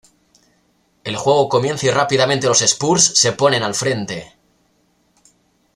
El juego comienza y rápidamente los Spurs se ponen al frente.